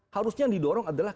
harusnya yang didorong adalah